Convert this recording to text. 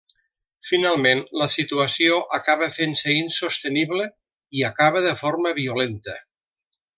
Finalment, la situació acaba fent-se insostenible i acaba de forma violenta.